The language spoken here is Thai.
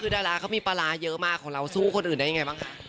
คือดาราเขามีปลาร้าเยอะมากของเราสู้คนอื่นได้ยังไงบ้างคะ